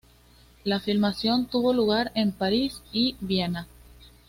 La filmación tuvo lugar en París y Viena.